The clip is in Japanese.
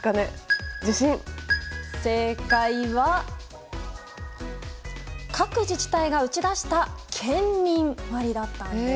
正解は、各自治体が打ち出した県民割だったんです。